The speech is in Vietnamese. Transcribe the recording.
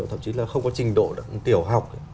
thậm chí là không có trình độ tiểu học